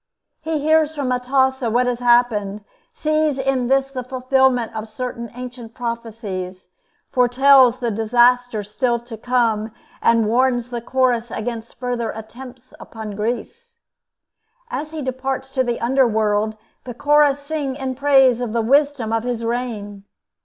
He hears from Atossa what has happened, sees in this the fulfillment of certain ancient prophecies, foretells disaster still to come, and warns the Chorus against further attempts upon Greece. As he departs to the underworld, the Chorus sing in praise of the wisdom of his reign.